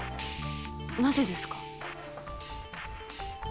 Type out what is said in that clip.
なぜですか？